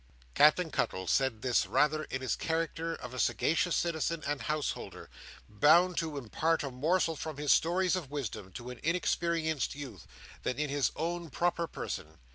Captain Cuttle said this rather in his character of a sagacious citizen and householder, bound to impart a morsel from his stores of wisdom to an inexperienced youth, than in his own proper person.